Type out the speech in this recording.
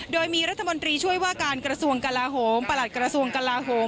โดยมีรัฐมนตรีช่วยว่าการกระทรวงกลาโหมประหลัดกระทรวงกลาโหม